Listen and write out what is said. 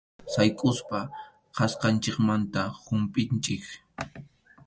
Saykʼusqa kasqanchikmanta humpʼinchik.